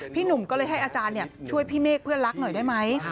พี่หนุ่มก็เลยให้อาจารย์ช่วยพี่เมฆเพื่อนรักหน่อยได้ไหม